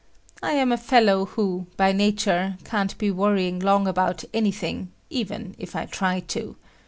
I am a fellow who, by nature, can't be worrying long about[F] anything even if I try to.